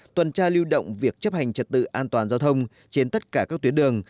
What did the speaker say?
tuần tra lưu động việc chấp hành trật tự an toàn giao thông trên tất cả các tuyến đường